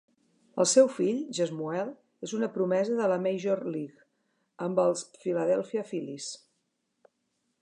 El seu fill, Jesmuel, és una promesa de la Major League amb els Philadelphia Phillies.